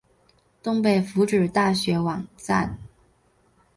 东北福祉大学网站